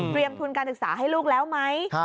ทุนการศึกษาให้ลูกแล้วไหม